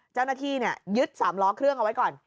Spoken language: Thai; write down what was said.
เจ้าหน้าที่ยึด๓ล้อเครื่องเอาไว้ก่อน